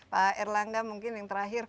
pak erlangga mungkin yang terakhir